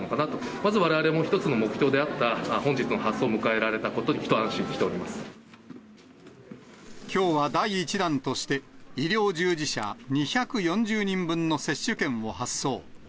まずわれわれも一つの目標であった、本日の発送を迎えられたことに、きょうは第１弾として、医療従事者２４０人分の接種券を発送。